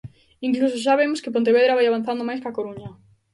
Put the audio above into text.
Incluso xa vemos que Pontevedra vai avanzando máis que A Coruña.